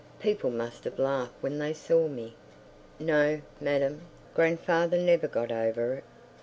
People must have laughed when they saw me.... ... No, madam, grandfather never got over it.